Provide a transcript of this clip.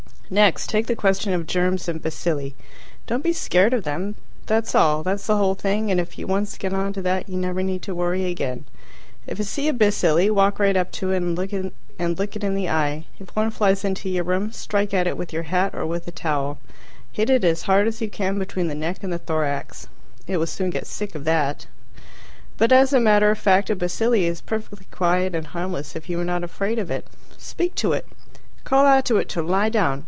Next, take the question of germs and bacilli. Don't be scared of them. That's all. That's the whole thing, and if you once get on to that you never need to worry again. If you see a bacilli, walk right up to it, and look it in the eye. If one flies into your room, strike at it with your hat or with a towel. Hit it as hard as you can between the neck and the thorax. It will soon get sick of that. But as a matter of fact, a bacilli is perfectly quiet and harmless if you are not afraid of it. Speak to it. Call out to it to "lie down."